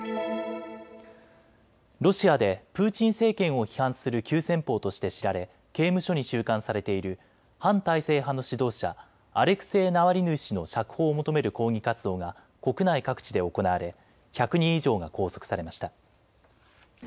ロシアでプーチン政権を批判する急先ぽうとして知られ刑務所に収監されている反体制派の指導者、アレクセイ・ナワリヌイ氏の釈放を求める抗議活動が国内各地で行われ１００人以上が拘束されました。